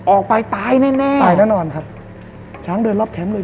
ออกไปตายแน่ค่ะช้างเดินรอบแค้มเลย